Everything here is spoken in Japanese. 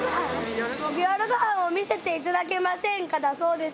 夜ご飯を見せていただけませんかだそうです。